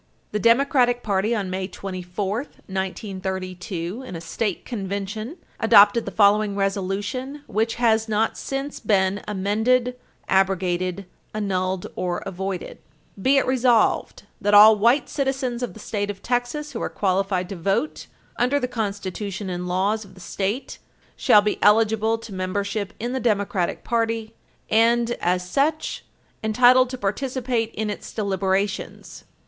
P. 546. Cf. Waples v. Marrast, 108 Tex. 5, 184 S.W. 180. The Democratic party, on May 24, 1932, in a state convention adopted the following resolution, which has not since been "amended, abrogated, annulled or avoided": "Be it resolved that all white citizens of the State of Texas who are qualified to vote under the Constitution and laws of the State shall be eligible to membership in the Page 321 U. S. 657 Democratic party and, as such, entitled to participate in its deliberations."